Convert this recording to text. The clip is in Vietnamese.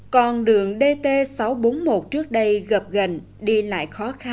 còn đường dt sáu trăm bốn mươi một trước đây gập gần đi lại